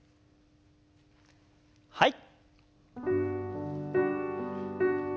はい。